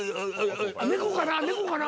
猫かな？